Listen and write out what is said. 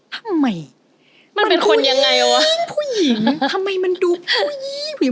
ทำไมมันผู้หญิงทำไมมันดูผู้หญิง